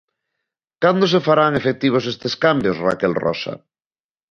Cando se farán efectivos estes cambios, Raquel Rosa?